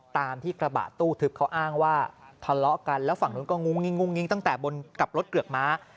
ตามที่กระบะตู้ทึบเขาอ้างว่าทะเลาะกันแล้วฝั่งนู้นก็งุ้งงิ้งตั้งแต่บนกับรถเกือกม้า